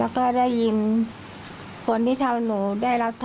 แล้วก็ได้ยินคนที่เท่าหนูได้รับโทษ